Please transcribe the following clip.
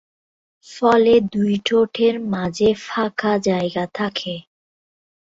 ফলে দুই ঠোঁটের মাঝে ফাঁকা জায়গা থাকে।